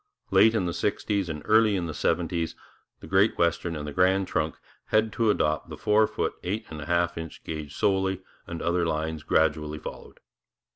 Late in the sixties and early in the seventies the Great Western and the Grand Trunk had to adopt the four foot eight and a half inch gauge solely, and other lines gradually followed.